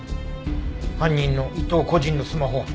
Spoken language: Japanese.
犯人の伊藤個人のスマホは？